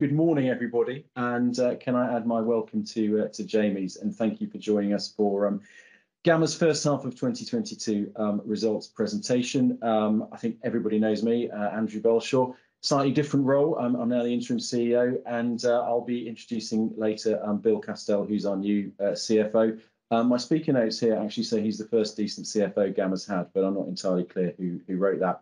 Good morning, everybody, and can I add my welcome to Jamie's? Thank you for joining us for Gamma's first half of 2022 results presentation. I think everybody knows me, Andrew Belshaw. Slightly different role, I'm now the interim CEO, and I'll be introducing later Bill Castell, who's our new CFO. My speaker notes here actually say he's the first decent CFO Gamma's had, but I'm not entirely clear who wrote that.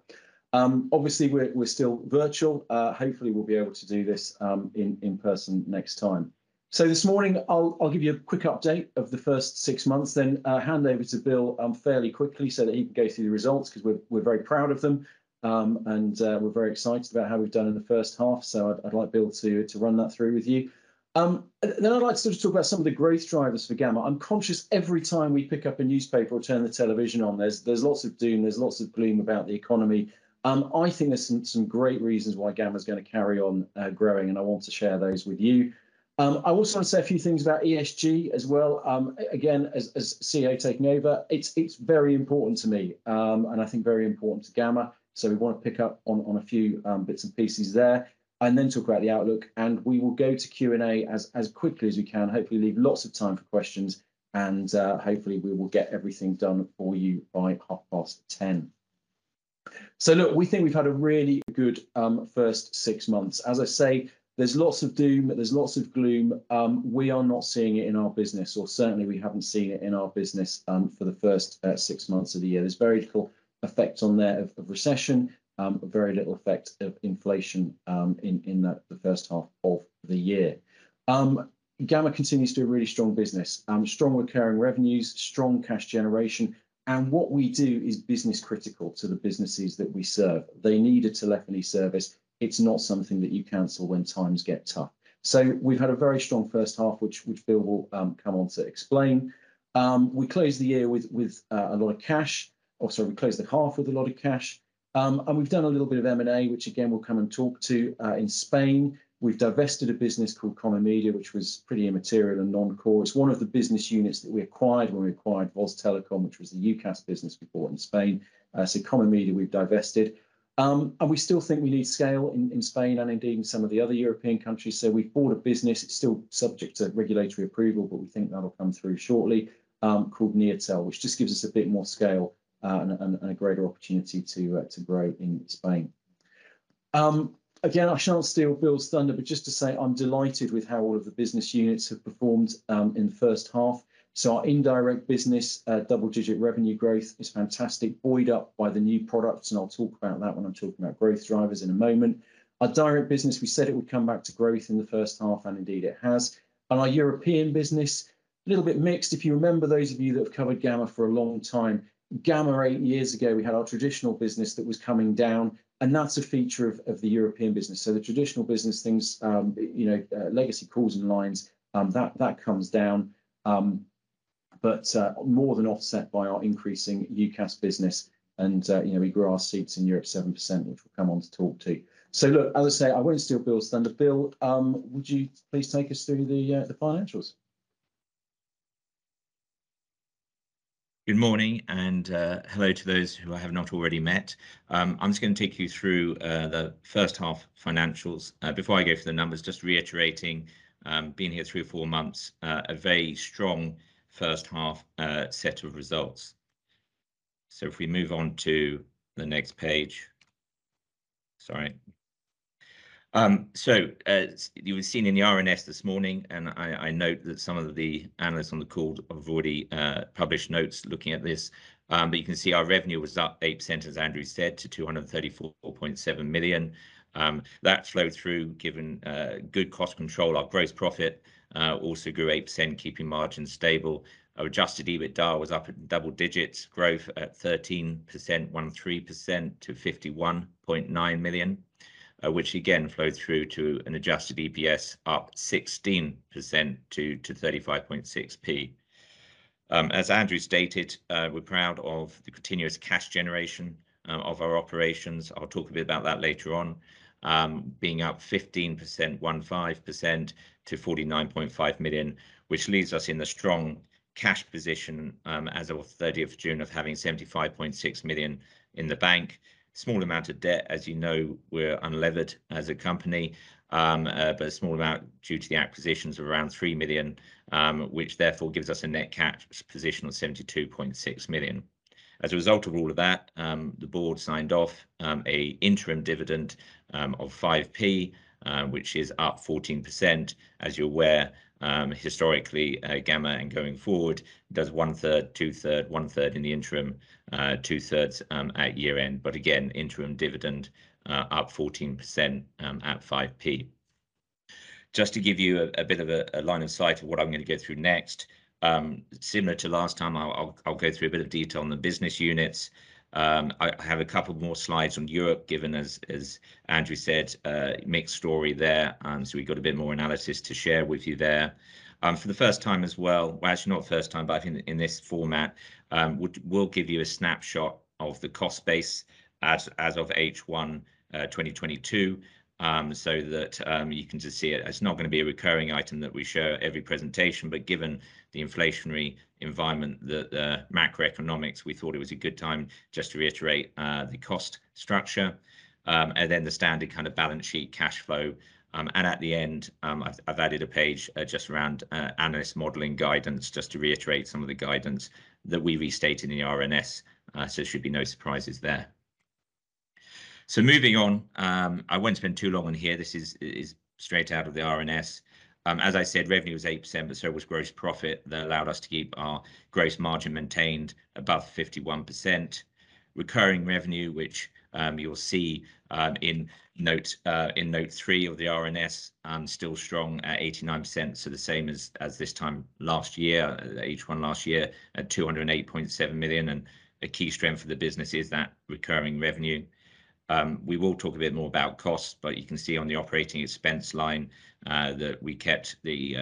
Obviously we're still virtual. Hopefully we'll be able to do this in person next time. This morning I'll give you a quick update of the first six months then hand over to Bill fairly quickly so that he can go through the results 'cause we're very proud of them. We're very excited about how we've done in the first half, so I'd like Bill to run that through with you. I'd like to sort of talk about some of the growth drivers for Gamma. I'm conscious every time we pick up a newspaper or turn the television on there's lots of doom, there's lots of gloom about the economy. I think there's some great reasons why Gamma's gonna carry on growing, and I want to share those with you. I also wanna say a few things about ESG as well. Again, as CEO taking over, it's very important to me, and I think very important to Gamma, so we wanna pick up on a few bits and pieces there. Talk about the outlook. We will go to Q&A as quickly as we can, hopefully leave lots of time for questions, and hopefully we will get everything done for you by 10:30 A.M. Look, we think we've had a really good first six months. As I say, there's lots of doom, there's lots of gloom. We are not seeing it in our business, or certainly we haven't seen it in our business, for the first six months of the year. There's very little effect on there of recession, very little effect of inflation, in the first half of the year. Gamma continues to do really strong business. Strong recurring revenues, strong cash generation, and what we do is business critical to the businesses that we serve. They need a telephony service. It's not something that you cancel when times get tough. We've had a very strong first half, which Bill will come on to explain. We closed the year with a lot of cash. Or sorry, we closed the half with a lot of cash. We've done a little bit of M&A, which again, we'll come and talk to in Spain. We've divested a business called ComyMedia, which was pretty immaterial and non-core. It's one of the business units that we acquired when we acquired VozTelecom, which was the UCaaS business we bought in Spain. ComyMedia we've divested. We still think we need scale in Spain and indeed in some of the other European countries, so we've bought a business. It's still subject to regulatory approval but we think that'll come through shortly, called Neotel, which just gives us a bit more scale and a greater opportunity to grow in Spain. Again, I shan't steal Bill's thunder but just to say I'm delighted with how all of the business units have performed in the first half. Our indirect business double-digit revenue growth is fantastic, buoyed up by the new products, and I'll talk about that when I'm talking about growth drivers in a moment. Our direct business, we said it would come back to growth in the first half, and indeed it has. Our European business, little bit mixed. If you remember, those of you that have covered Gamma for a long time, Gamma eight years ago, we had our traditional business that was coming down, and that's a feature of the European business. The traditional business things, you know, legacy calls and lines, that comes down. More than offset by our increasing UCaaS business, and you know, we grew our seats in Europe 7%, which we'll come on to talk to. Look, as I say, I won't steal Bill's thunder. Bill, would you please take us through the financials? Good morning, and hello to those who I have not already met. I'm just gonna take you through the first half financials. Before I go through the numbers, just reiterating, being here three or four months, a very strong first half set of results. If we move on to the next page. Sorry. As you would've seen in the RNS this morning, and I note that some of the analysts on the call have already published notes looking at this. You can see our revenue was up 8%, as Andrew said, to 234.7 million. That flowed through, given good cost control. Our gross profit also grew 8%, keeping margins stable. Our adjusted EBITDA was up at double- digits growth at 13% to 51.9 million, which again flowed through to an adjusted EPS up 16% to 35.6p. As Andrew stated, we're proud of the continuous cash generation of our operations being up 15% to 49.5 million, which leaves us in a strong cash position as of June 30th of having 75.6 million in the bank. Small amount of debt. As you know, we're unlevered as a company. But a small amount due to the acquisitions of around 3 million, which therefore gives us a net cash position of 72.6 million. As a result of all of that, the board signed off an interim dividend of 5p, which is up 14%. As you're aware, historically, Gamma, and going forward, does one third, two-thirds, one third in the interim, two-thirds at year-end. Again, interim dividend up 14% at 5p. Just to give you a bit of a line of sight of what I'm gonna go through next, similar to last time, I'll go through a bit of detail on the business units. I have a couple more slides on Europe given, as Andrew said, a mixed story there, so we've got a bit more analysis to share with you there. For the first time as well, well, actually, not first time, but I think in this format, we'll give you a snapshot of the cost base as of H1 2022, so that you can just see it. It's not gonna be a recurring item that we show every presentation, but given the inflationary environment, the macroeconomics, we thought it was a good time just to reiterate the cost structure, and then the standard kind of balance sheet cash flow. At the end, I've added a page just around analyst modeling guidance, just to reiterate some of the guidance that we restated in the RNS. There should be no surprises there. Moving on, I won't spend too long on here. This is straight out of the RNS. As I said, revenue was 8%, but so was gross profit. That allowed us to keep our gross margin maintained above 51%. Recurring revenue, which you'll see in note three of the RNS, still strong at 89%, so the same as this time last year, H1 last year, at 208.7 million. A key strength of the business is that recurring revenue. We will talk a bit more about costs, but you can see on the operating expense line that we kept the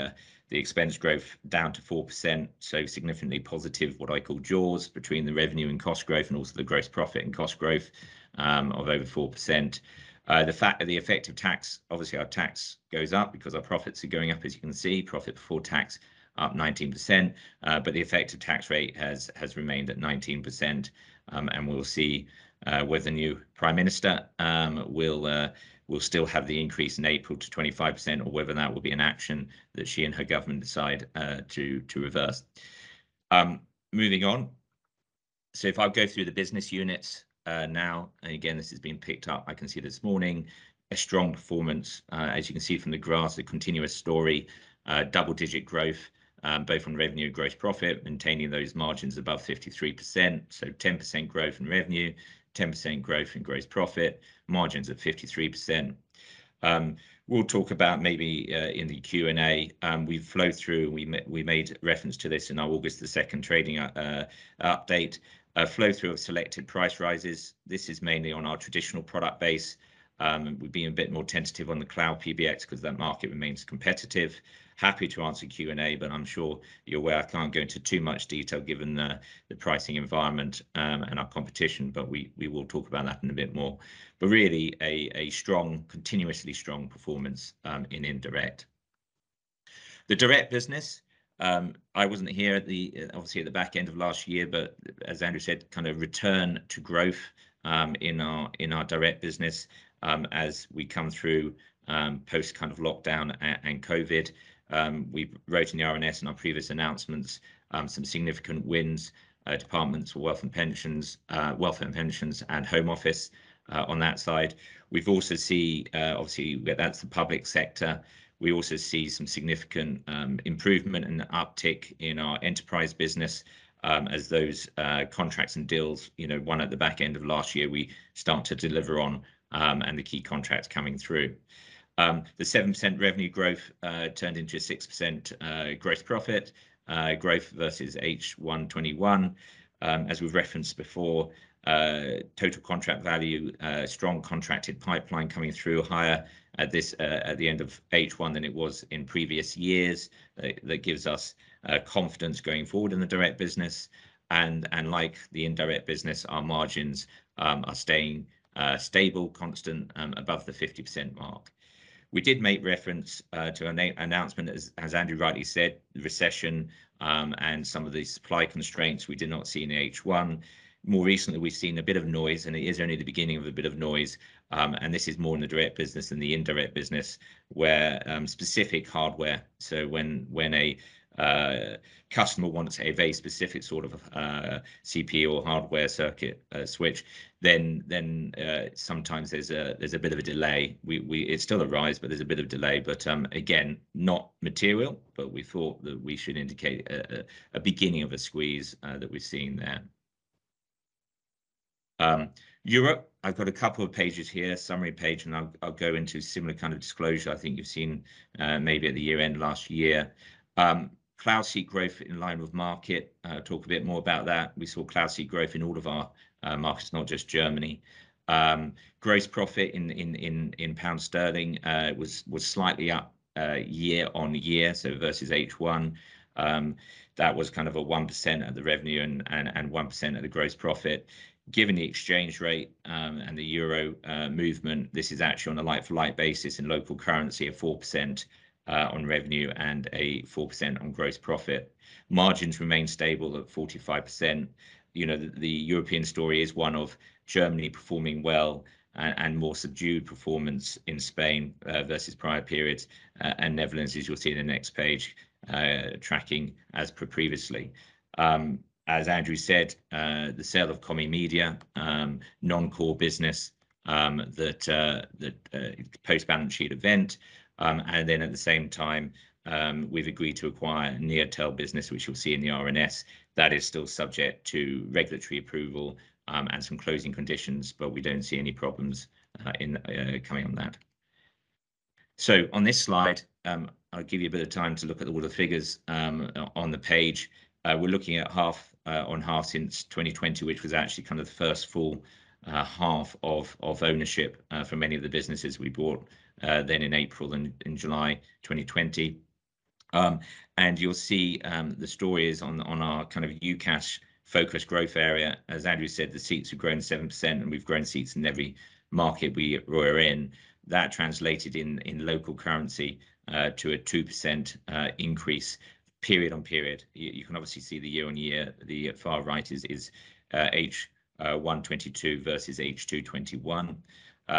expense growth down to 4%, so significantly positive, what I call jaws between the revenue and cost growth and also the gross profit and cost growth of over 4%. The effect of tax, obviously our tax goes up because our profits are going up, as you can see, profit before tax up 19%. The effect of tax rate has remained at 19%. We'll see whether new Prime Minister will still have the increase in April to 25% or whether that will be an action that she and her government decide to reverse. Moving on, if I go through the business units now, and again, this has been picked up, I can see this morning, a strong performance. As you can see from the graphs, a continuous story, double-digit growth both on revenue and gross profit, maintaining those margins above 53%. 10% growth in revenue, 10% growth in gross profit, margins at 53%. We'll talk about maybe in the Q&A, we made reference to this in our August the second trading update, a flow through of selected price rises. This is mainly on our traditional product base. We're being a bit more tentative on the cloud PBX 'cause that market remains competitive. Happy to answer Q&A, but I'm sure you're aware I can't go into too much detail given the pricing environment and our competition, but we will talk about that in a bit more. Really a strong, continuously strong performance in indirect. The direct business, I wasn't here at the, obviously at the back end of last year, but as Andrew said, kind of return to growth in our direct business as we come through post kind of lockdown and COVID. We wrote in the RNS and our previous announcements some significant wins, Department for Work and Pensions and Home Office, on that side. We've also seen, obviously that's the public sector. We also see some significant improvement and uptick in our enterprise business as those contracts and deals, you know, won at the back end of last year, we start to deliver on and the key contracts coming through. The 7% revenue growth turned into a 6% profit growth versus H1 2021. As we've referenced before, total contract value strong contracted pipeline coming through higher at this, at the end of H1 than it was in previous years. That gives us confidence going forward in the direct business. Like the indirect business, our margins are staying stable, constant above the 50% mark. We did make reference to announcement, as Andrew rightly said, recession and some of the supply constraints we did not see in H1. More recently, we've seen a bit of noise, and it is only the beginning of a bit of noise, and this is more in the direct business than the indirect business, where specific hardware. When a customer wants a very specific sort of CPU or hardware circuit switch, then sometimes there's a bit of a delay. It's still a rise, but there's a bit of delay, but again, not material, but we thought that we should indicate a beginning of a squeeze that we're seeing there. Europe, I've got a couple of pages here, summary page, and I'll go into similar kind of disclosure I think you've seen, maybe at the year-end last year. Cloud seat growth in line with market, I'll talk a bit more about that. We saw cloud seat growth in all of our markets, not just Germany. Gross profit in pound sterling was slightly up year-on-year, so versus H1. That was kind of a 1% of the revenue and 1% of the gross profit. Given the exchange rate and the euro movement, this is actually on a like-for-like basis in local currency of 4% on revenue and 4% on gross profit. Margins remain stable at 45%. You know, the European story is one of Germany performing well and more subdued performance in Spain versus prior periods and Netherlands, as you'll see in the next page, tracking as per previously. As Andrew said, the sale of ComyMedia, non-core business, that post-balance sheet event. At the same time, we've agreed to acquire Neotel business, which you'll see in the RNS. That is still subject to regulatory approval, and some closing conditions, but we don't see any problems in coming on that. On this slide, I'll give you a bit of time to look at all the figures on the page. We're looking at half-on -half since 2020, which was actually kind of the first full half of ownership for many of the businesses we bought then in April and in July 2020. You'll see the stories on our kind of UCaaS-focused growth area. As Andrew said, the seats have grown 7% and we've grown seats in every market we're in. That translated in local currency to a 2% increase period-on-period. You can obviously see the year-on-year, the far right is H1 22 vs H2 21.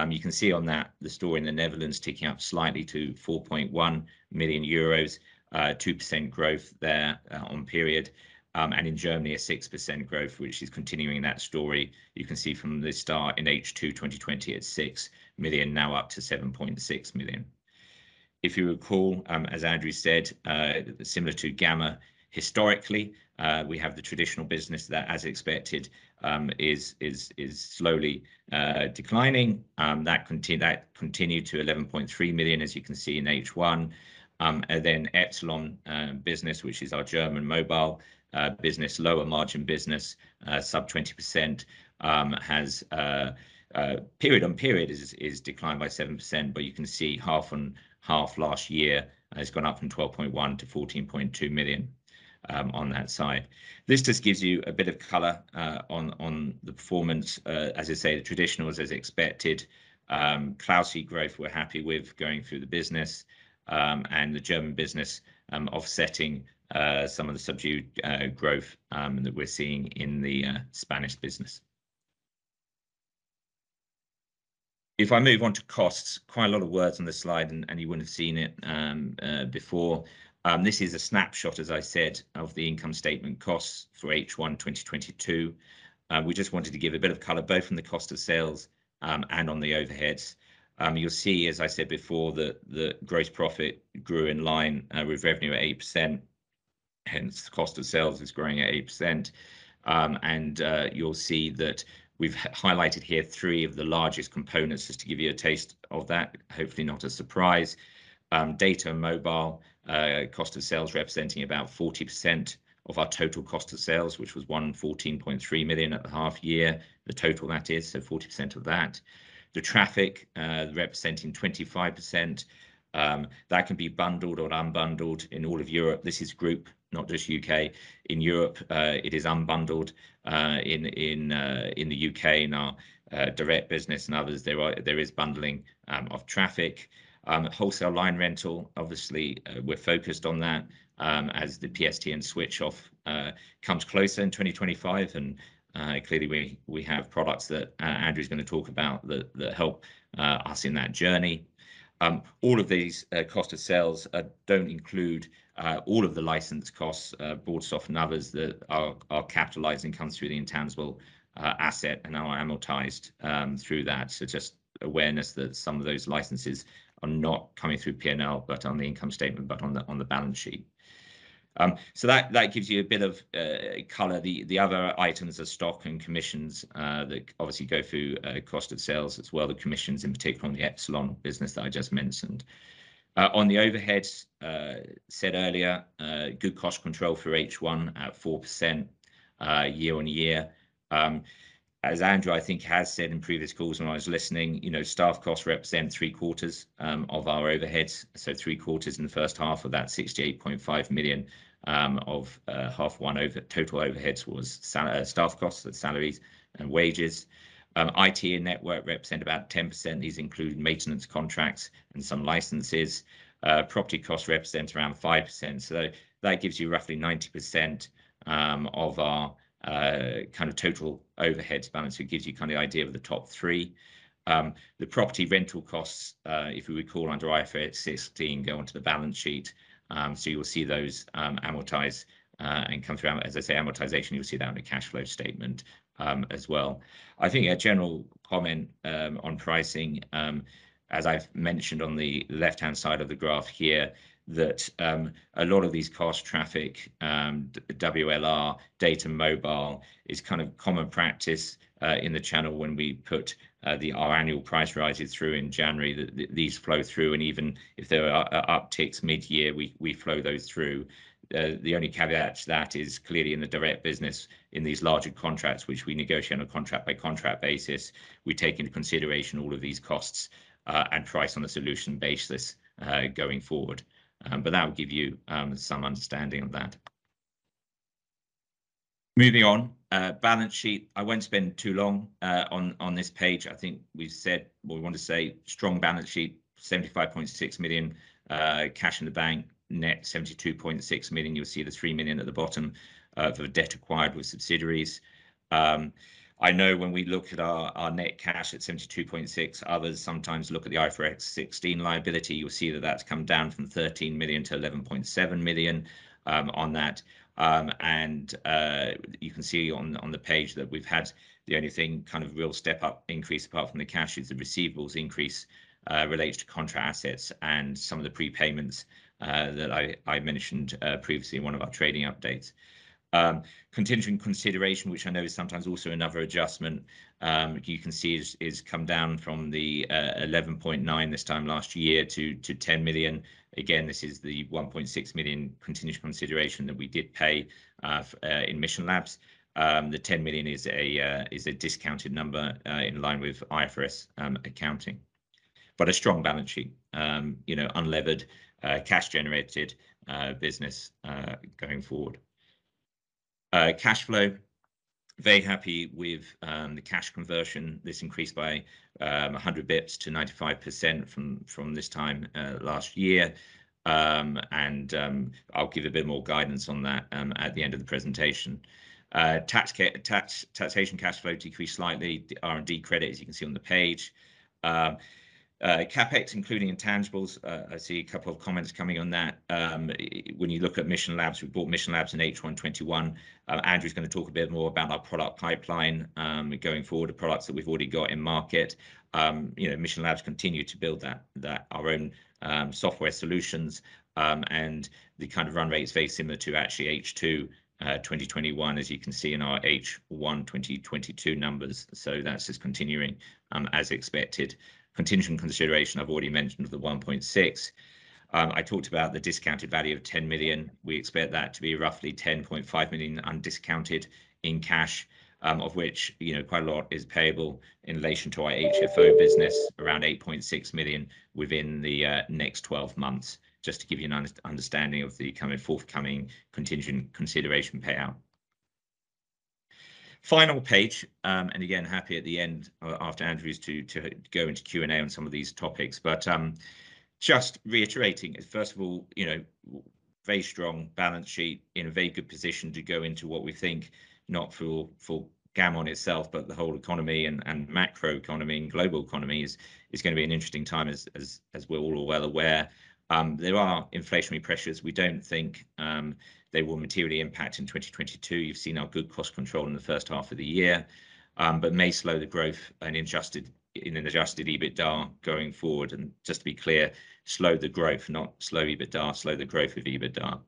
You can see on that the story in the Netherlands ticking up slightly to 4.1 million euros, 2% growth there on period. In Germany, 6% growth which is continuing that story. You can see from the start in H2 2020 at 6 million, now up to 7.6 million. If you recall, as Andrew said, similar to Gamma historically, we have the traditional business that as expected is slowly declining. That continued to 11.3 million, as you can see in H1. Epsilon business, which is our German mobile business, lower margin business, sub 20%, has period-on-period declined by 7%. You can see half-on-half last year, it's gone up from 12.1 million to 14.2 million on that side. This just gives you a bit of color on the performance. As I say, the traditional, as expected, cloud growth we're happy with going through the business, and the German business offsetting some of the subdued growth that we're seeing in the Spanish business. If I move on to costs, quite a lot of words on this slide and you wouldn't have seen it before. This is a snapshot, as I said, of the income statement costs for H1 2022. We just wanted to give a bit of color, both from the cost of sales, and on the overheads. You'll see, as I said before, the gross profit grew in line with revenue at 8%, hence the cost of sales is growing at 8%. You'll see that we've highlighted here three of the largest components, just to give you a taste of that, hopefully not a surprise. Data mobile cost of sales representing about 40% of our total cost of sales, which was 114.3 million at the half year. The total, that is, so 40% of that. The traffic representing 25%, that can be bundled or unbundled in all of Europe. This is group, not just UK. In Europe, it is unbundled. In the UK in our direct business and others, there is bundling of traffic. Wholesale line rental, obviously, we're focused on that, as the PSTN switch off comes closer in 2025. Clearly we have products that Andrew's gonna talk about that help us in that journey. All of these cost of sales don't include all of the license costs, BroadSoft and others that are capitalizing comes through the intangible asset and are amortized through that. Just awareness that some of those licenses are not coming through P&L, but on the income statement, but on the balance sheet. That gives you a bit of color. The other items are stock and commissions that obviously go through cost of sales as well, the commissions in particular on the Epsilon business that I just mentioned. On the overheads, said earlier, good cost control for H1 at 4%, year-on-year. As Andrew, I think, has said in previous calls when I was listening, you know, staff costs represent three quarters of our overheads, so three quarters in the first half of that 68.5 million of H1 total overheads was staff costs, so salaries and wages. IT and network represent about 10%. These include maintenance contracts and some licenses. Property cost represents around 5%. That gives you roughly 90% of our kind of total overheads balance. It gives you kind of the idea of the top three. The property rental costs, if you recall under IFRS 16, go onto the balance sheet. You'll see those amortize and come through. As I say, amortization, you'll see that on a cash flow statement as well. I think a general comment on pricing, as I've mentioned on the left-hand side of the graph here, that a lot of these cost traffic, WLR, data mobile, is kind of common practice in the channel when we put our annual price rises through in January, these flow through. Even if there are upticks mid-year, we flow those through. The only caveat to that is clearly in the direct business in these larger contracts, which we negotiate on a contract by contract basis, we take into consideration all of these costs, and price on a solution basis, going forward. That will give you some understanding of that. Moving on, balance sheet. I won't spend too long on this page. I think we've said we want to say strong balance sheet, 75.6 million cash in the bank, net 72.6 million. You'll see the 3 million at the bottom for the debt acquired with subsidiaries. I know when we look at our net cash at 72.6 million, others sometimes look at the IFRS 16 liability. You'll see that that's come down from 13 million to 11.7 million on that. You can see on the page that we've had the only thing kind of real step up increase apart from the cash is the receivables increase related to contract assets and some of the prepayments that I mentioned previously in one of our trading updates. Contingent consideration, which I know is sometimes also another adjustment, you can see is come down from the 11.9 million this time last year to 10 million. Again, this is the 1.6 million contingent consideration that we did pay in Mission Labs. The 10 million is a discounted number in line with IFRS accounting. A strong balance sheet, you know, unlevered cash generated business going forward. Cash flow, very happy with the cash conversion. This increased by 100 bps to 95% from this time last year. I'll give a bit more guidance on that at the end of the presentation. Tax cash flow decreased slightly. The R&D credit, as you can see on the page. CapEx, including intangibles, I see a couple of comments coming on that. When you look at Mission Labs, we bought Mission Labs in H1 2021. Andrew's gonna talk a bit more about our product pipeline going forward, the products that we've already got in market. You know, Mission Labs continue to build that our own software solutions. The kind of run rate is very similar to actually H2 2021, as you can see in our H1 2022 numbers. That's just continuing as expected. Contingent consideration, I've already mentioned the 1.6. I talked about the discounted value of 10 million. We expect that to be roughly 10.5 million undiscounted in cash, of which, you know, quite a lot is payable in relation to our HFO business, around 8.6 million within the next 12 months, just to give you an understanding of the coming forthcoming contingent consideration payout. Final page, and again, happy at the end, after Andrew, to go into Q&A on some of these topics. Just reiterating, first of all, you know, very strong balance sheet, in a very good position to go into what we think, not for Gamma in itself, but the whole economy and macroeconomy and global economy is gonna be an interesting time as we're all well aware. There are inflationary pressures. We don't think they will materially impact in 2022. You've seen our good cost control in the first half of the year, but may slow the growth in adjusted EBITDA going forward. Just to be clear, slow the growth, not slow EBITDA, slow the growth of EBITDA.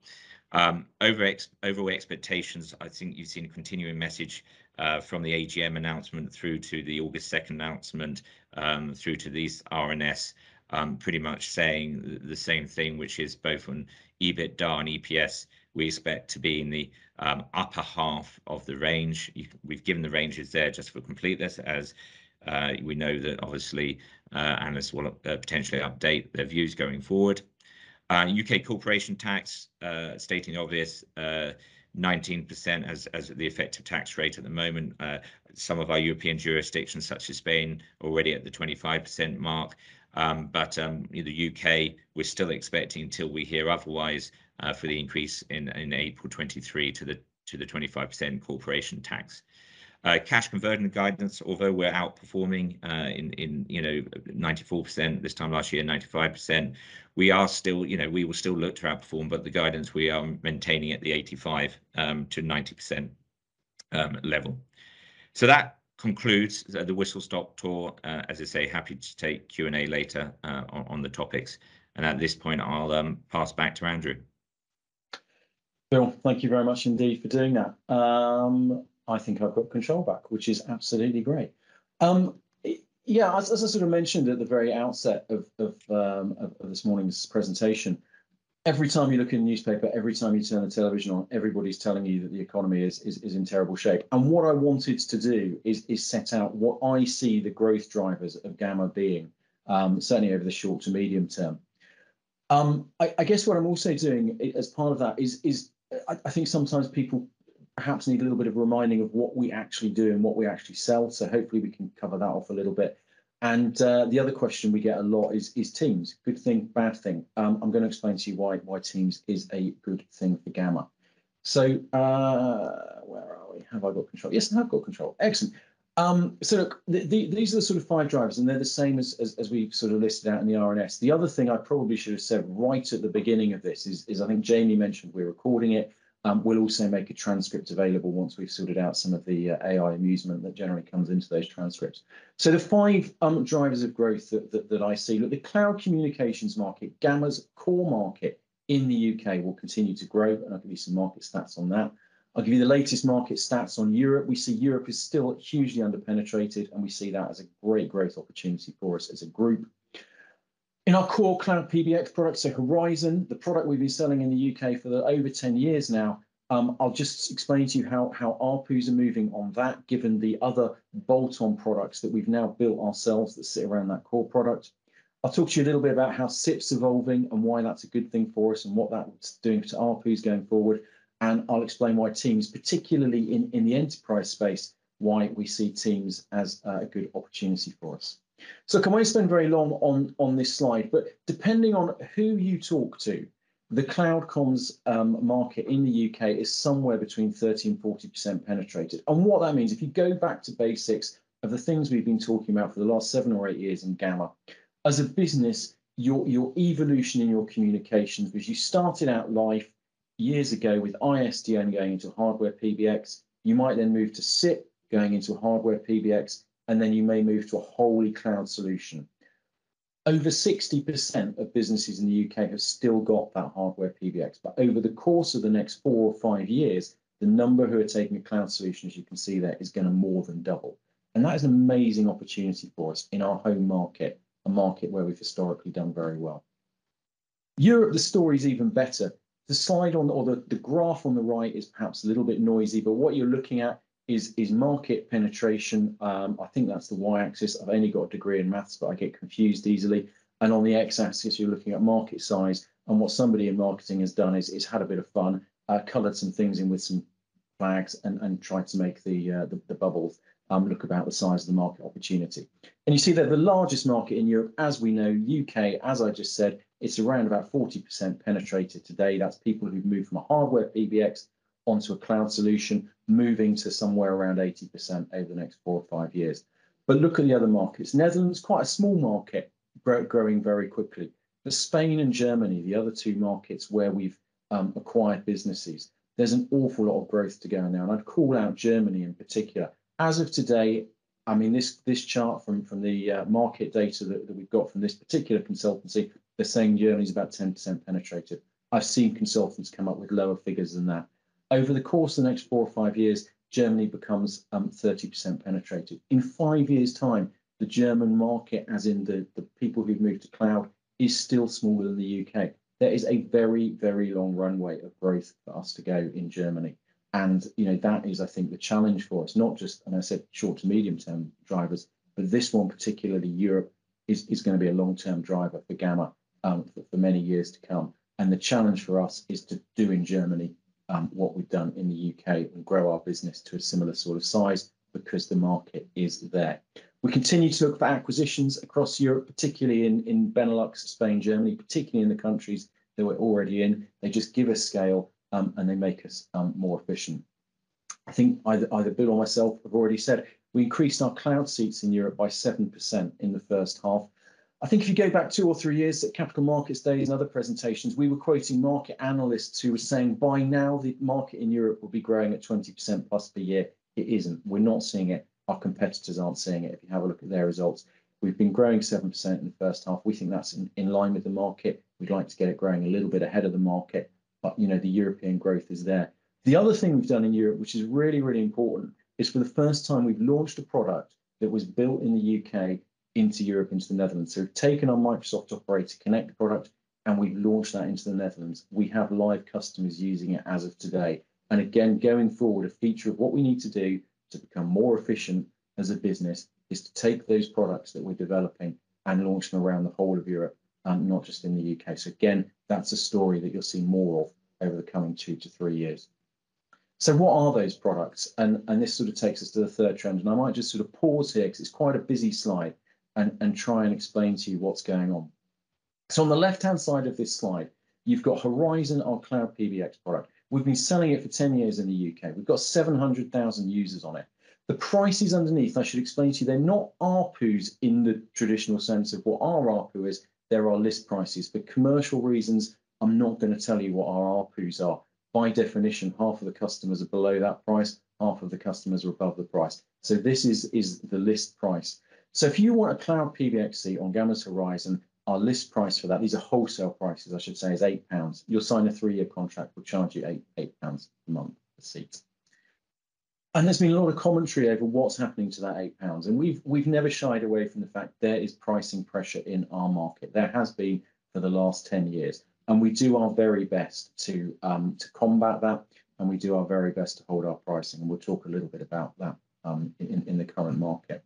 Over expectations, I think you've seen a continuing message from the AGM announcement through to the August 2nd announcement, through to these RNS, pretty much saying the same thing, which is both on EBITDA and EPS, we expect to be in the upper half of the range. We've given the ranges there just for completeness as we know that obviously analysts will potentially update their views going forward. UK corporation tax, stating obvious, 19% as the effective tax rate at the moment. Some of our European jurisdictions, such as Spain, already at the 25% mark. In the UK, we're still expecting till we hear otherwise for the increase in April 2023 to the 25% corporation tax. Cash conversion guidance, although we're outperforming in you know 94% this time last year 95% we are still you know we will still look to outperform. The guidance we are maintaining at the 85%-90% level. That concludes the whistle-stop tour. As I say, happy to take Q&A later on the topics. At this point, I'll pass back to Andrew. Bill, thank you very much indeed for doing that. I think I've got control back, which is absolutely great. As I sort of mentioned at the very outset of this morning's presentation, every time you look in the newspaper, every time you turn the television on, everybody's telling you that the economy is in terrible shape. What I wanted to do is set out what I see the growth drivers of Gamma being, certainly over the short to medium term. I guess what I'm also doing as part of that is, I think sometimes people perhaps need a little bit of reminding of what we actually do and what we actually sell, so hopefully we can cover that off a little bit. The other question we get a lot is Teams good thing, bad thing. I'm gonna explain to you why Teams is a good thing for Gamma. Where are we? Have I got control? Yes, I have got control. Excellent. Look, these are the sort of five drivers, and they're the same as we sort of listed out in the RNS. The other thing I probably should have said right at the beginning of this is I think Jamie mentioned we're recording it. We'll also make a transcript available once we've sorted out some of the AI amusement that generally comes into those transcripts. The five drivers of growth that I see. Look, the cloud communications market, Gamma's core market in the UK will continue to grow, and I'll give you some market stats on that. I'll give you the latest market stats on Europe. We see Europe is still hugely under-penetrated, and we see that as a great opportunity for us as a group. In our core cloud PBX products like Horizon, the product we've been selling in the UK for over 10 years now, I'll just explain to you how ARPUs are moving on that given the other bolt-on products that we've now built ourselves that sit around that core product. I'll talk to you a little bit about how SIP's evolving and why that's a good thing for us and what that's doing to ARPUs going forward. I'll explain why Teams, particularly in the enterprise space, why we see Teams as a good opportunity for us. I can't spend very long on this slide, but depending on who you talk to, the cloud comms market in the U.K. is somewhere between 30% and 40% penetrated. What that means, if you go back to basics of the things we've been talking about for the last seven or eight years in Gamma, as a business, your evolution in your communications was you started out life years ago with ISDN going into hardware PBX. You might then move to SIP, going into a hardware PBX, and then you may move to a wholly cloud solution. Over 60% of businesses in the U.K. have still got that hardware PBX. Over the course of the next four or five years, the number who are taking a cloud solution, as you can see there, is gonna more than double. That is an amazing opportunity for us in our home market, a market where we've historically done very well. Europe, the story's even better. The slide or the graph on the right is perhaps a little bit noisy, but what you're looking at is market penetration. I think that's the Y-axis. I've only got a degree in math, but I get confused easily. On the X-axis, you're looking at market size. What somebody in marketing has done is had a bit of fun, colored some things in with some flags and tried to make the bubbles look about the size of the market opportunity. You see that the largest market in Europe, as we know, UK, as I just said, it's around about 40% penetrated today. That's people who've moved from a hardware PBX onto a cloud solution, moving to somewhere around 80% over the next four or five years. Look at the other markets. Netherlands, quite a small market growing very quickly. Spain and Germany, the other two markets where we've acquired businesses, there's an awful lot of growth to go in there, and I'd call out Germany in particular. As of today, this chart from the market data that we've got from this particular consultancy, they're saying Germany's about 10% penetrated. I've seen consultants come up with lower figures than that. Over the course of the next four or five years, Germany becomes 30% penetrated. In five years' time, the German market, the people who've moved to cloud, is still smaller than the UK. There is a very, very long runway of growth for us to go in Germany. You know, that is, I think, the challenge for us, not just and I said short to medium term drivers, but this one particularly, Europe, is gonna be a long-term driver for Gamma, for many years to come. The challenge for us is to do in Germany what we've done in the UK and grow our business to a similar sort of size because the market is there. We continue to look for acquisitions across Europe, particularly in Benelux, Spain, Germany, particularly in the countries that we're already in. They just give us scale and they make us more efficient. I think either Bill or myself have already said we increased our cloud seats in Europe by 7% in the first half. I think if you go back two or three years at Capital Markets Day and other presentations, we were quoting market analysts who were saying by now the market in Europe will be growing at +20% per year. It isn't. We're not seeing it. Our competitors aren't seeing it if you have a look at their results. We've been growing 7% in the first half. We think that's in line with the market. We'd like to get it growing a little bit ahead of the market but, you know, the European growth is there. The other thing we've done in Europe, which is really, really important, is for the first time we've launched a product that was built in the UK into Europe, into the Netherlands. We've taken our Microsoft Operator Connect product, and we've launched that into the Netherlands. We have live customers using it as of today. Again, going forward, a feature of what we need to do to become more efficient as a business is to take those products that we're developing and launch them around the whole of Europe, not just in the UK. Again, that's a story that you'll see more of over the coming two-three years. What are those products? And this sort of takes us to the third trend. I might just sort of pause here 'cause it's quite a busy slide and try and explain to you what's going on. On the left-hand side of this slide, you've got Horizon, our cloud PBX product. We've been selling it for 10 years in the UK. We've got 700,000 users on it. The prices underneath, I should explain to you, they're not ARPUs in the traditional sense of what our ARPU is. They're our list prices. For commercial reasons, I'm not gonna tell you what our ARPUs are. By definition, half of the customers are below that price, half of the customers are above the price. This is the list price. If you want a cloud PBX seat on Gamma's Horizon, our list price for that, these are wholesale prices I should say, is 8 pounds. You'll sign a three-year contract, we'll charge you 8 pounds a month a seat. There's been a lot of commentary over what's happening to that 8 pounds, and we've never shied away from the fact there is pricing pressure in our market. There has been for the last 10 years, and we do our very best to combat that, and we do our very best to hold our pricing, and we'll talk a little bit about that in the current market.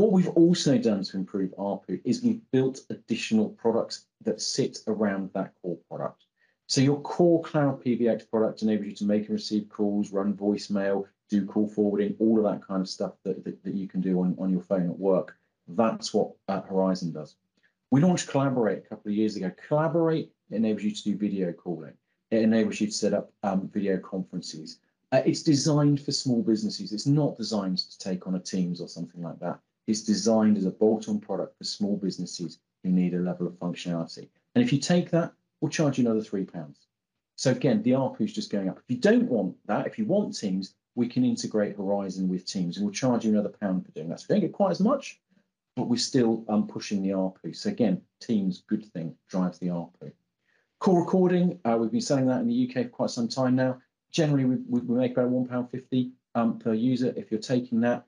What we've also done to improve ARPU is we've built additional products that sit around that core product. Your core cloud PBX product enables you to make and receive calls, run voicemail, do call forwarding, all of that kind of stuff that you can do on your phone at work. That's what Horizon does. We launched Collaborate a couple of years ago. Collaborate enables you to do video calling. It enables you to set up video conferences. It's designed for small businesses. It's not designed to take on a Teams or something like that. It's designed as a bolt-on product for small businesses who need a level of functionality. If you take that, we'll charge you another 3 pounds. The ARPU's just going up. If you don't want that, if you want Teams, we can integrate Horizon with Teams, and we'll charge you another GBP 1 for doing that. We don't get quite as much, but we're still pushing the ARPU. Teams, good thing, drives the ARPU. Call recording, we've been selling that in the UK for quite some time now. Generally, we make about 1.50 pound per user if you're taking that.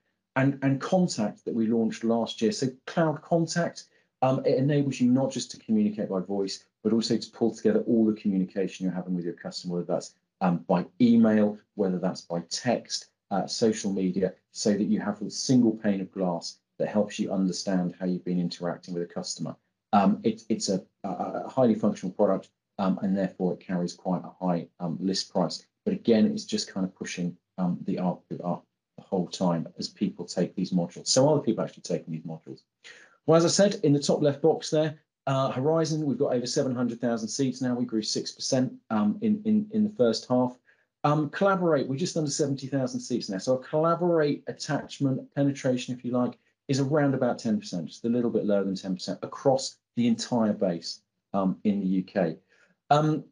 Contact that we launched last year. Cloud Contact enables you not just to communicate by voice, but also to pull together all the communication you're having with your customer, whether that's by email, whether that's by text, social media, so that you have a single pane of glass that helps you understand how you've been interacting with a customer. It's a highly functional product, and therefore it carries quite a high list price. Again, it's just kind of pushing the ARPU up the whole time as people take these modules. Are people actually taking these modules? Well, as I said, in the top left box there, Horizon, we've got over 700,000 seats now. We grew 6% in the first half. Collaborate, we're just under 70,000 seats now. Our Collaborate attachment penetration, if you like, is around about 10%. Just a little bit lower than 10% across the entire base in the UK.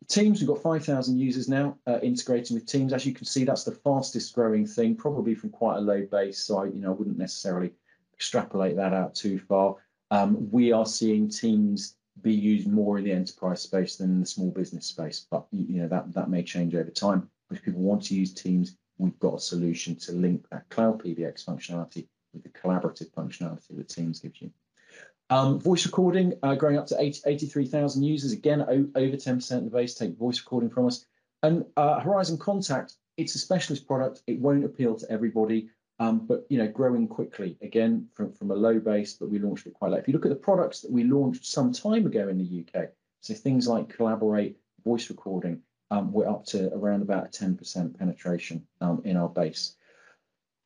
Teams, we've got 5,000 users now, integrating with Teams. As you can see, that's the fastest growing thing, probably from quite a low base. I, you know, wouldn't necessarily extrapolate that out too far. We are seeing Teams be used more in the enterprise space than in the small business space. You know, that may change over time. If people want to use Teams, we've got a solution to link that cloud PBX functionality with the collaborative functionality that Teams gives you. Voice recording growing up to 83,000 users. Again, over 10% of the base take voice recording from us. Horizon Contact, it's a specialist product, it won't appeal to everybody, but you know, growing quickly, again, from a low base that we launched it quite late. If you look at the products that we launched some time ago in the UK, so things like Collaborate, voice recording, we're up to around about a 10% penetration in our base.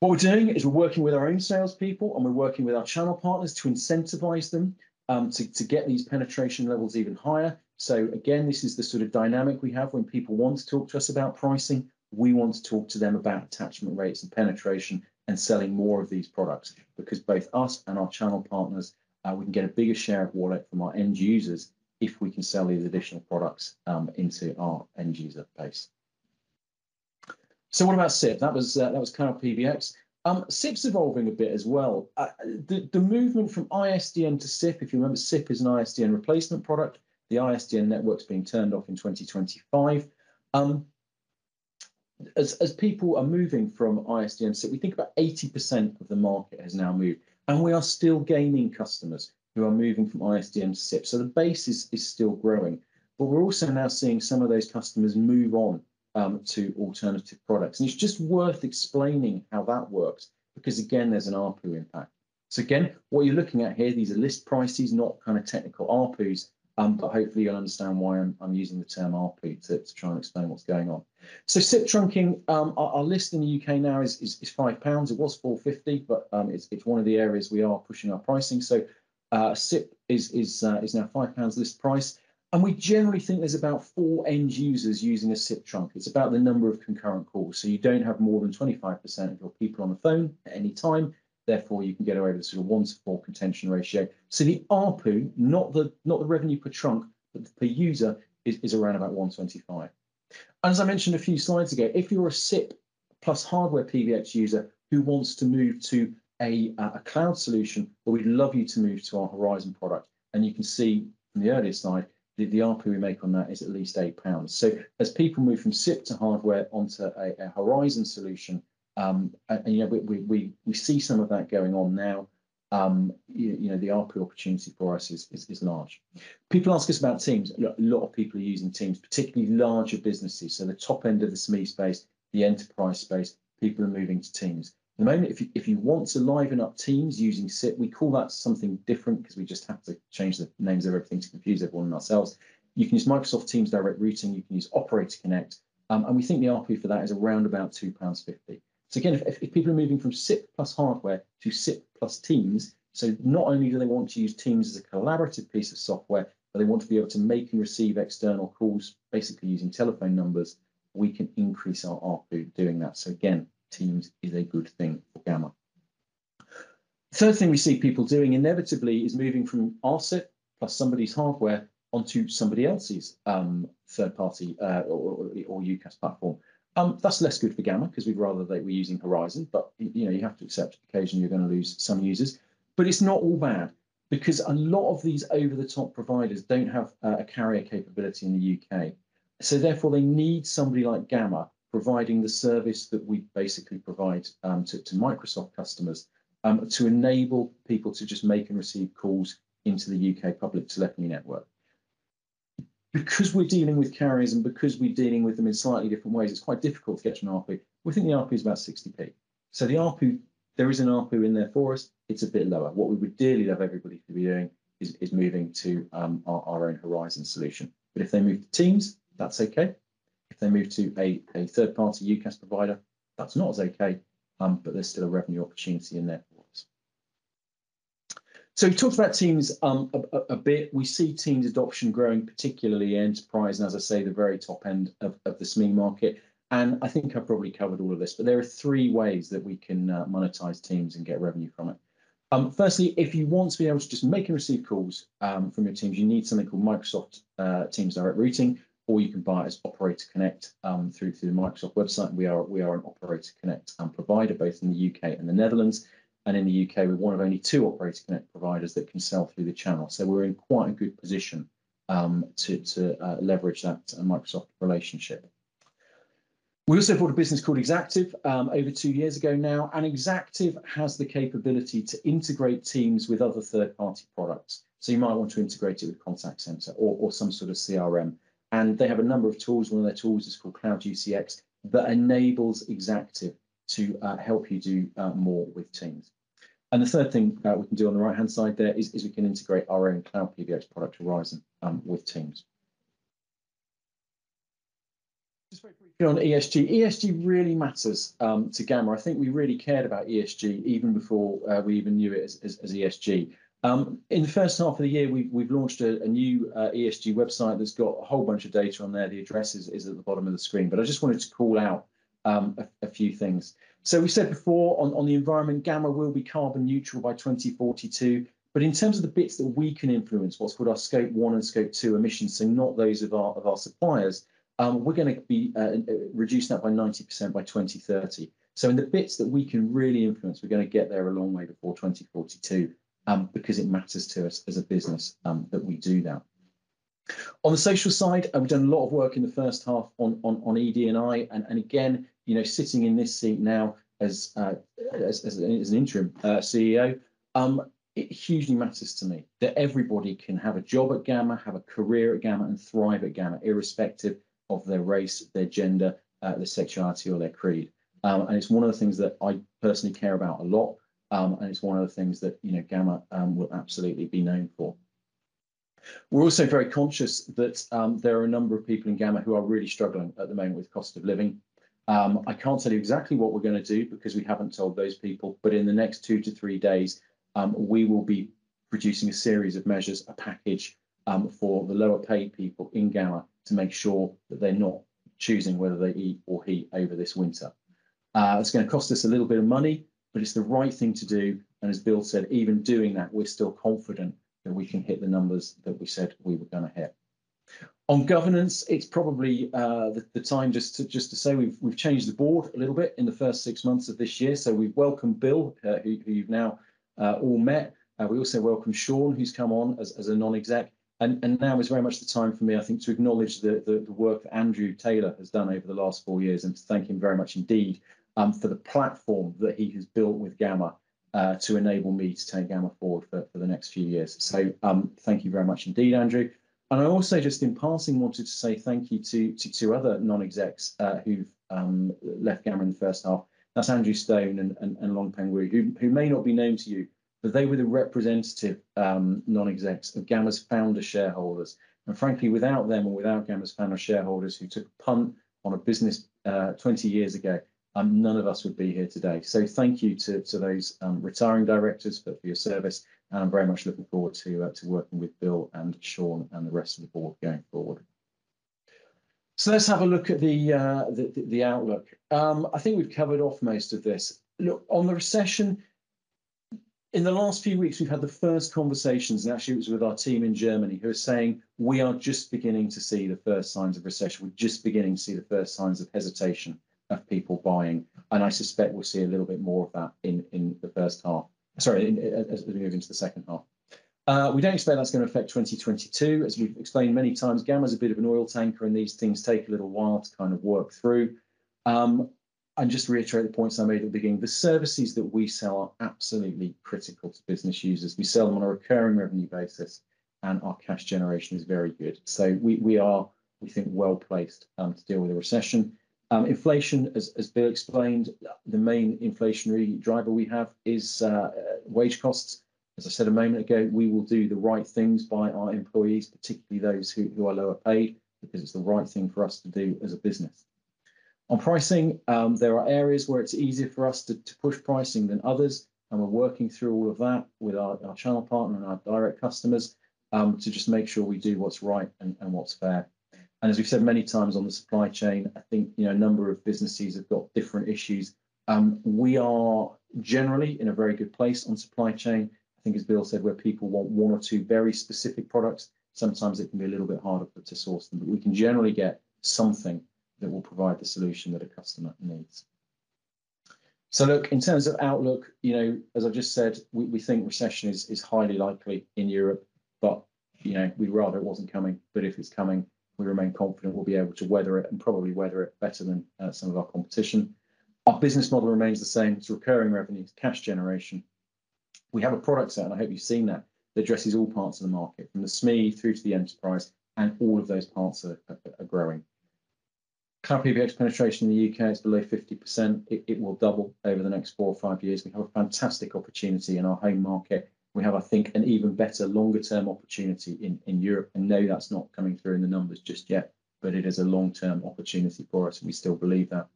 What we're doing is we're working with our own salespeople, and we're working with our channel partners to incentivize them to get these penetration levels even higher. Again, this is the sort of dynamic we have. When people want to talk to us about pricing, we want to talk to them about attachment rates and penetration and selling more of these products. Because both us and our channel partners, we can get a bigger share of wallet from our end users if we can sell these additional products, into our end user base. What about SIP? That was kind of PBX. SIP's evolving a bit as well. The movement from ISDN to SIP, if you remember, SIP is an ISDN replacement product. The ISDN network's being turned off in 2025. As people are moving from ISDN to SIP, we think about 80% of the market has now moved, and we are still gaining customers who are moving from ISDN to SIP. The base is still growing. We're also now seeing some of those customers move on, to alternative products, and it's just worth explaining how that works because, again, there's an ARPU impact. Again, what you're looking at here, these are list prices, not kind of technical ARPUs, but hopefully you'll understand why I'm using the term ARPU to try and explain what's going on. SIP trunking, our list in the UK now is 5 pounds. It was 4.50, but it's one of the areas we are pushing our pricing. SIP is now 5 pounds list price, and we generally think there's about four end users using a SIP trunk. It's about the number of concurrent calls, so you don't have more than 25% of your people on the phone at any time, therefore, you can get away with sort of one-four contention ratio. The ARPU, not the revenue per trunk, but per user is around about 1.25. As I mentioned a few slides ago, if you're a SIP plus hardware PBX user who wants to move to a cloud solution, well, we'd love you to move to our Horizon product, and you can see from the earlier slide the ARPU we make on that is at least 8 pounds. As people move from SIP to hardware onto a Horizon solution, and, you know, we see some of that going on now, you know, the ARPU opportunity for us is large. People ask us about Teams. A lot of people are using Teams, particularly larger businesses, so the top end of the SME space, the enterprise space, people are moving to Teams. At the moment if you want to liven up Teams using SIP, we call that something different because we just have to change the names of everything to confuse everyone and ourselves. You can use Microsoft Teams Direct Routing, you can use Operator Connect, and we think the ARPU for that is around about 2.50 pounds. Again, if people are moving from SIP plus hardware to SIP plus Teams, so not only do they want to use Teams as a collaborative piece of software, but they want to be able to make and receive external calls basically using telephone numbers, we can increase our ARPU doing that. Again, Teams is a good thing for Gamma. Third thing we see people doing inevitably is moving from our SIP plus somebody's hardware onto somebody else's third party or UCaaS platform. That's less good for Gamma because we'd rather they were using Horizon, but you know, you have to accept occasionally you're gonna lose some users. It's not all bad because a lot of these over-the-top providers don't have a carrier capability in the U.K. Therefore, they need somebody like Gamma providing the service that we basically provide to Microsoft customers to enable people to just make and receive calls into the U.K. public telephony network. Because we're dealing with carriers and because we're dealing with them in slightly different ways, it's quite difficult to get to an ARPU. We think the ARPU is about 60p. The ARPU, there is an ARPU in there for us, it's a bit lower. What we would dearly love everybody to be doing is moving to our own Horizon solution. If they move to Teams, that's okay. If they move to a third party UCaaS provider, that's not as okay, but there's still a revenue opportunity in there for us. We talked about Teams a bit. We see Teams adoption growing, particularly enterprise and, as I say, the very top end of the SME market. I think I've probably covered all of this, but there are three ways that we can monetize Teams and get revenue from it. Firstly, if you want to be able to just make and receive calls from your Teams, you need something called Microsoft Teams Direct Routing, or you can buy it as Operator Connect through to the Microsoft website, and we are an Operator Connect provider both in the UK and the Netherlands. In the UK, we're one of only two Operator Connect providers that can sell through the channel. We're in quite a good position to leverage that Microsoft relationship. We also bought a business called Exactive over two years ago now, and Exactive has the capability to integrate Teams with other third-party products. You might want to integrate it with contact center or some sort of CRM. They have a number of tools, and one of their tools is called Cloud UCX that enables Exactive to help you do more with Teams. The third thing we can do on the right-hand side there is we can integrate our own cloud PBX product, Horizon, with Teams. Just very briefly on ESG. ESG really matters to Gamma. I think we really cared about ESG even before we even knew it as ESG. In the first half of the year, we've launched a new ESG website that's got a whole bunch of data on there. The address is at the bottom of the screen. I just wanted to call out a few things. We said before on the environment, Gamma will be carbon neutral by 2042. In terms of the bits that we can influence, what's called our Scope One and Scope Two emissions, not those of our suppliers, we're gonna reduce that by 90% by 2030. In the bits that we can really influence, we're gonna get there a long way before 2042, because it matters to us as a business that we do that. On the social side, we've done a lot of work in the first half on ED&I and again, you know, sitting in this seat now as an interim CEO, it hugely matters to me that everybody can have a job at Gamma, have a career at Gamma, and thrive at Gamma irrespective of their race, their gender, their sexuality, or their creed. It's one of the things that I personally care about a lot, and it's one of the things that, you know, Gamma will absolutely be known for. We're also very conscious that there are a number of people in Gamma who are really struggling at the moment with cost of living. I can't tell you exactly what we're gonna do because we haven't told those people, but in the next two- three days, we will be producing a series of measures, a package, for the lower paid people in Gamma to make sure that they're not choosing whether they eat or heat over this winter. It's gonna cost us a little bit of money, but it's the right thing to do. As Bill said, even doing that, we're still confident that we can hit the numbers that we said we were gonna hit. On governance, it's probably the time just to say we've changed the board a little bit in the first six months of this year. We've welcomed Bill, who you've now all met. We also welcomed Sean, who's come on as a non-exec. Now is very much the time for me, I think, to acknowledge the work Andrew Taylor has done over the last four years and to thank him very much indeed, for the platform that he has built with Gamma, to enable me to take Gamma forward for the next few years. Thank you very much indeed, Andrew. I also, just in passing, wanted to say thank you to two other non-execs, who've left Gamma in the first half. That's Andrew Stone and Long Peng Wu, who may not be known to you. They were the representative non-execs of Gamma's founder shareholders. Frankly, without them or without Gamma's founder shareholders who took a punt on a business 20 years ago, none of us would be here today. Thank you to those retiring directors for your service, and I'm very much looking forward to working with Bill and Sean and the rest of the board going forward. Let's have a look at the outlook. I think we've covered off most of this. Look, on the recession, in the last few weeks we've had the first conversations, and actually it was with our team in Germany, who are saying, "We are just beginning to see the first signs of recession. We're just beginning to see the first signs of hesitation of people buying. I suspect we'll see a little bit more of that as we move into the second half. We don't expect that's gonna affect 2022. As we've explained many times, Gamma's a bit of an oil tanker, and these things take a little while to kind of work through. Just to reiterate the points I made at the beginning. The services that we sell are absolutely critical to business users. We sell them on a recurring revenue basis, and our cash generation is very good. We are, we think, well-placed to deal with the recession. Inflation, as Bill explained, the main inflationary driver we have is wage costs. As I said a moment ago, we will do the right things by our employees, particularly those who are lower paid, because it's the right thing for us to do as a business. On pricing, there are areas where it's easier for us to push pricing than others, and we're working through all of that with our channel partner and our direct customers, to just make sure we do what's right and what's fair. As we've said many times on the supply chain, I think, you know, a number of businesses have got different issues. We are generally in a very good place on supply chain. I think as Bill said, where people want one or two very specific products, sometimes it can be a little bit harder for us to source them. We can generally get something that will provide the solution that a customer needs. Look, in terms of outlook, you know, as I've just said, we think recession is highly likely in Europe, but, you know, we'd rather it wasn't coming. If it's coming, we remain confident we'll be able to weather it, and probably weather it better than some of our competition. Our business model remains the same. It's recurring revenues, cash generation. We have a product set, and I hope you've seen that addresses all parts of the market, from the SME through to the enterprise, and all of those parts are growing. Current PBX penetration in the U.K. is below 50%. It will double over the next four or five years. We have a fantastic opportunity in our home market. We have, I think, an even better longer term opportunity in Europe. No, that's not coming through in the numbers just yet, but it is a long-term opportunity for us, and we still believe that.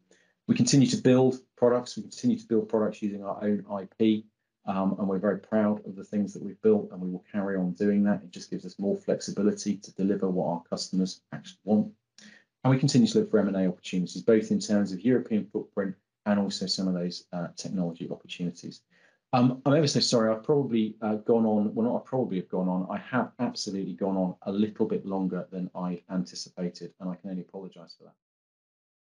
We continue to build products using our own IP, and we're very proud of the things that we've built, and we will carry on doing that. It just gives us more flexibility to deliver what our customers actually want. We continue to look for M&A opportunities, both in terms of European footprint and also some of those technology opportunities. I'm ever so sorry, I have absolutely gone on a little bit longer than I'd anticipated, and I can only apologize for that.